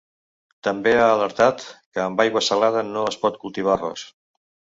També ha alertat que amb aigua salada no es pot cultivar arròs.